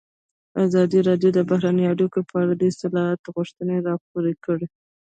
ازادي راډیو د بهرنۍ اړیکې په اړه د اصلاحاتو غوښتنې راپور کړې.